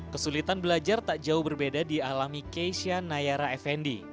kesulitan belajar tak jauh berbeda di alami keisha nayara fnd